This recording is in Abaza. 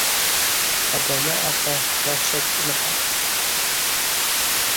Абанаъа хӏва уачвакӏ кӏныхӏапӏ.